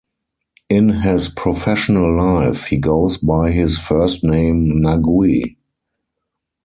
In his professional life, he goes by his first name Nagui.